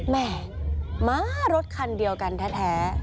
แม่มารถคันเดียวกันแท้